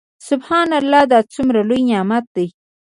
سبحان الله دا څومره لوى نعمت دى.